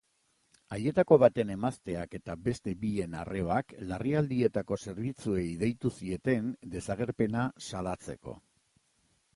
Haietako baten emazteak eta beste bien arrebak larrialdietako zerbitzuei deitu zieten desagerpena salatzeko.